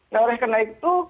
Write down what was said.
nah oleh karena itu